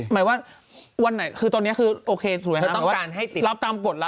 หมายว่าวันไหนคือตอนนี้คือโอเคสูงแรงหรือว่ารับตามกฎละ